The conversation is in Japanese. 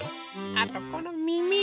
あとこのみみ！